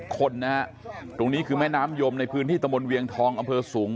คนนะฮะตรงนี้คือแม่น้ำยมในพื้นที่ตะมนตเวียงทองอำเภอสูง